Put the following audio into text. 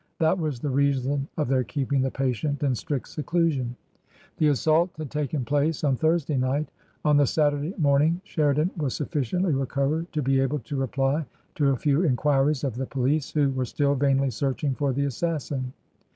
That was the reason of their keeping the patient in strict seclusion. The assault had taken place on Thursday night; on the Saturday morning Sheridan was sufficiently recovered to be able to reply to a few enquiries of the police, who were still vainly searching for the assassin.